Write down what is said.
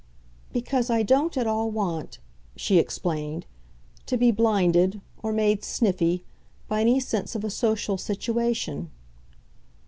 "Because I don't at all want," she explained, "to be blinded, or made 'sniffy,' by any sense of a social situation."